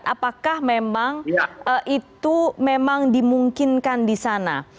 apakah memang itu memang dimungkinkan di sana